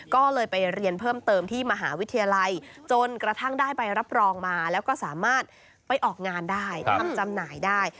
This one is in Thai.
ก็เลยไปเรียนเพิ่มเติมที่มหาวิทยาลัยจนกระทั่งได้ใบรับรองมาแล้วก็สามารถไปออกงานได้ทำจำหน่ายได้